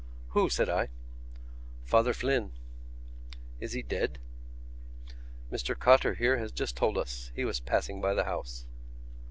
"Who?" said I. "Father Flynn." "Is he dead?" "Mr Cotter here has just told us. He was passing by the house."